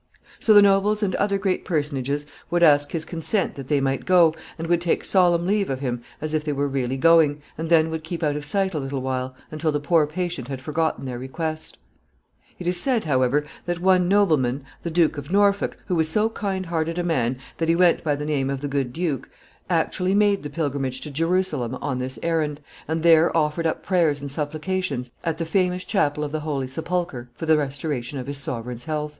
So the nobles and other great personages would ask his consent that they might go, and would take solemn leave of him as if they were really going, and then would keep out of sight a little while, until the poor patient had forgotten their request. [Sidenote: One real pilgrimage.] It is said, however, that one nobleman, the Duke of Norfolk, who was so kind hearted a man that he went by the name of the Good Duke, actually made the pilgrimage to Jerusalem on this errand, and there offered up prayers and supplications at the famous chapel of the Holy Sepulchre for the restoration of his sovereign's health.